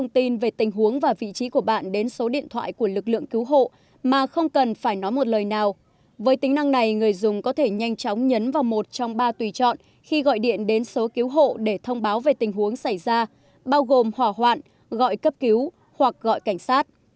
với tính năng này người dùng có thể nhanh chóng nhấn vào một trong ba tùy chọn khi gọi điện đến số cứu hộ để thông báo về tình huống xảy ra bao gồm hỏa hoạn gọi cấp cứu hoặc gọi cảnh sát